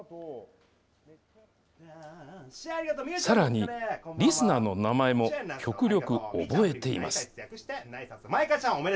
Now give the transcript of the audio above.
さらに、リスナーの名前も極力覚えています。